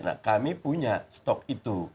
nah kami punya stok itu